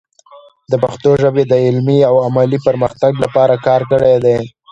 د پښتو ژبې د علمي او عملي پرمختګ لپاره کار کړی دی.